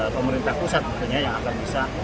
pemerintah pusat tentunya yang akan bisa